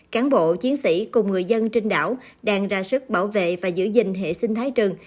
cán bộ chiến sĩ cùng người dân trên đảo đang ra sức bảo vệ và giữ gìn hệ sinh thái rừng